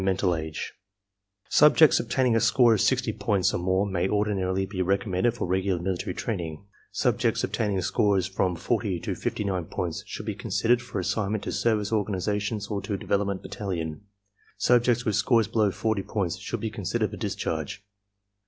0 97 98 ARMY MENTAL TESTS Subjects obtaining a score of 60 points or more may ordinarily be recommended for regular military training; subjects obtain ing scores from 40 to 59 points should be considered for assign ment to service organizations or to Development Battalion; subjects with scores below 40 points should be considered for discharge.